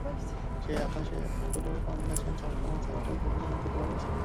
সেই আকাশে অনেকগুলো পাম গাছের ঝাঁকড়া মাথা একটা গম্বুজের মতো তৈরি করেছে।